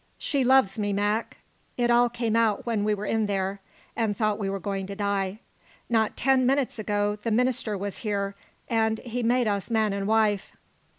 "She loves me, Mac. It all came out when we were in there, and thought we were going to die. Not ten minutes ago the minister was here, and he made us man and wife."